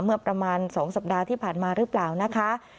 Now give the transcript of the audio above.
เมื่อประมาณ๒สัปดาห์ที่ผ่านมาหรือเปล่านะคะ